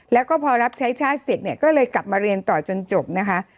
แล้วก็พอรับใช้ชาติเสร็จเนี่ยก็เลยกลับมาเรียนต่อจนจบนะคะ